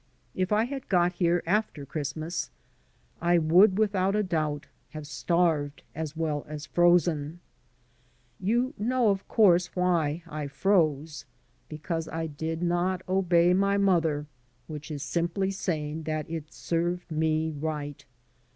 If I had got here after Christmas I would, without a doubt, have starved as well as frozen. You know, of course, why I froze — because I did not obey my mother, which is simply saying that it served me right.